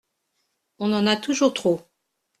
On en a toujours trop.